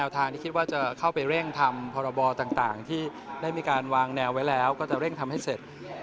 ที่ได้มีการวางแนวไว้แล้วก็จะเร่งทำให้เสร็จ